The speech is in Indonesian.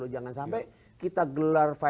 jangan sampai kita gelar